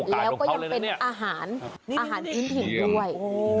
แล้วก็ยังเป็นอาหารอินถิ่นด้วย